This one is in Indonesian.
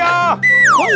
kok ga dikunci